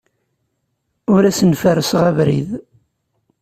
Ur asen-ferrseɣ abrid.